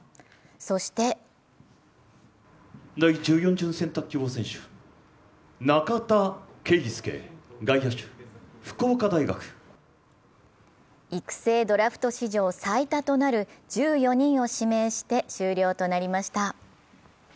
そして育成ドラフト史上最多となる１４人を指名して終了となりました。